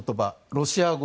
ロシア語